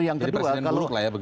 jadi presiden buruk